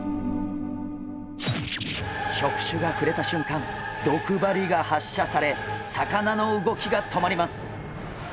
触手が触れたしゅんかん毒針が発射され魚の動きが止まります。